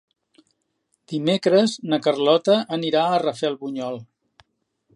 Dimecres na Carlota anirà a Rafelbunyol.